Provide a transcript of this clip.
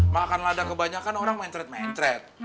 makan lada kebanyakan orang mencret mencret